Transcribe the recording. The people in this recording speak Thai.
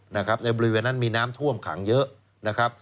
ในบริเวณนั้นมีน้ำท่วมขังเยอะ